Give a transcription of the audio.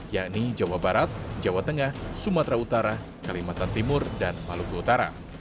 yakni jawa barat jawa tengah sumatera utara kalimantan timur dan maluku utara